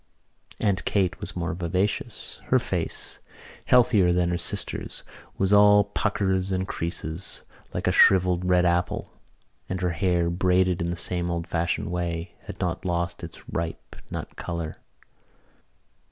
Aunt Kate was more vivacious. Her face, healthier than her sister's, was all puckers and creases, like a shrivelled red apple, and her hair, braided in the same old fashioned way, had not lost its ripe nut colour.